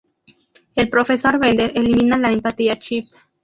El profesor Bender elimina la empatía chip.